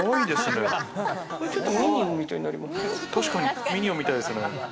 確かにミニオンみたいですね。